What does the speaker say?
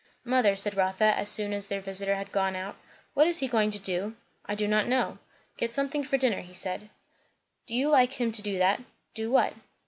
"Mother," said Rotha, as soon as their visiter had gone out, "what is he going to do?" "I do not know. Get something for dinner, he said." "Do you like him to do that?" "Do what?"